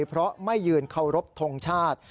เพราะไม่ยืนเคารพทงชาติ